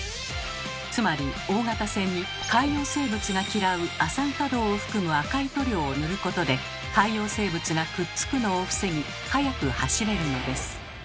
つまり大型船に海洋生物が嫌う亜酸化銅を含む赤い塗料を塗ることで海洋生物がくっつくのを防ぎ速く走れるのです。